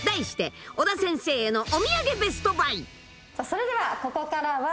それではここからは。